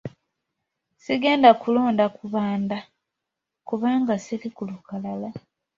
Sigenda kulonda kubanda kubanga siri ku lukalala.